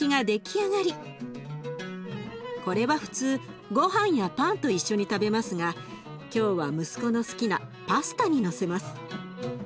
これは普通ごはんやパンと一緒に食べますが今日は息子の好きなパスタにのせます。